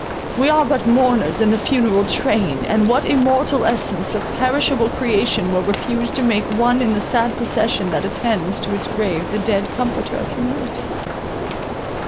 We are but mourners in the funeral train, and what immortal essence or perishable creation will refuse to make one in the sad procession that attends to its grave the dead comforter of humanity?